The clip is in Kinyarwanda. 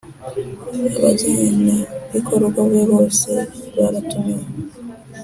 Abagenerwabikorwa be bose baratumiwe.